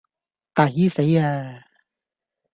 抵死呀